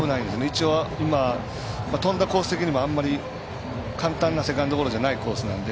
一応、今、飛んだコース的にもあんまり簡単なセカンドゴロじゃないコースなんで。